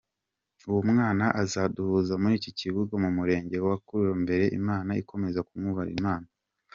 Uwomwana azadusure murikibungo mumurege warukumberi imana ikomeze kumwuzuriza imano.